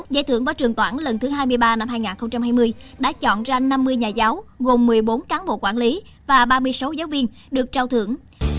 giải thưởng võ trường toản lần thứ hai mươi ba năm hai nghìn hai mươi đã chọn ra năm mươi nhà giáo gồm một mươi bốn cán bộ quản lý và ba mươi sáu giáo viên được trao thưởng